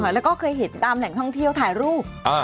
แล้วก็เคยเห็นตามแหล่งท่องเที่ยวถ่ายรูป